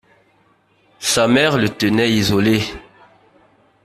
Sa mère le tenait isolé.